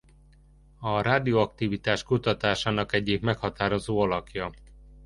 A radioaktivitás kutatásának egyik meghatározó alakja.